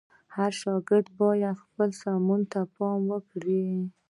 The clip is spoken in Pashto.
هر شاګرد باید خپل سمون ته پاملرنه وکړه.